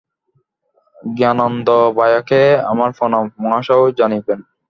জ্ঞানানন্দ ভায়াকে আমার প্রণাম, মহাশয়ও জানিবেন।